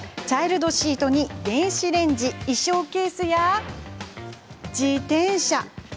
チャイルドシートに電子レンジ衣装ケースや自転車。